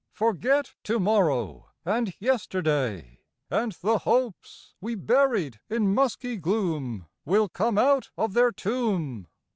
Forget to morrow and yesterday; And the hopes we buried in musky gloom Will come out of their tomb.